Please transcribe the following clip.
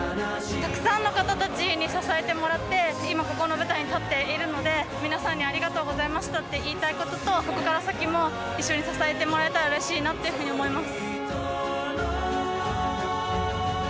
たくさんの方たちに支えてもらって今ここの舞台に立っているので皆さんにありがとうございましたって言いたいこととここから先も一緒に支えてもらったらうれしいなって思います。